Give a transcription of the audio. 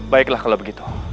baiklah kalau begitu